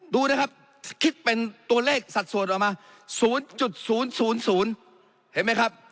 ดูนะครับคิดเป็นตัวเลขสัดส่วนออกมา๐๐เห็นไหมครับ